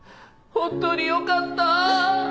本当によかった！